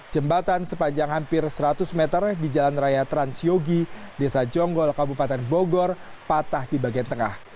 jembatan sepanjang hampir seratus meter di jalan raya transyogi desa jonggol kabupaten bogor patah di bagian tengah